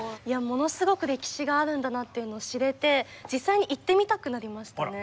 ものすごく歴史があるんだなっていうのを知れて実際に行ってみたくなりましたね。